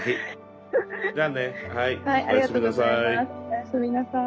おやすみなさい。